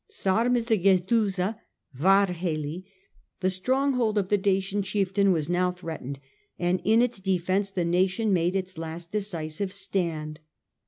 Sarmize gethusa (Vdrhely), the stronghold of the Dacian chieftain was now threatened, and in its defence the nation made its last decisive stand.